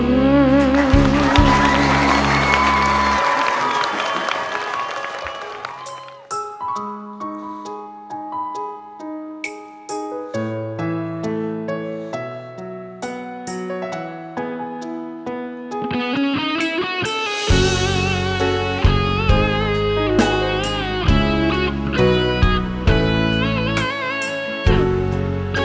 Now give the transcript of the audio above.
รับทราบ